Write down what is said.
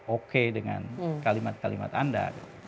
oke dengan kalimat kalimat anda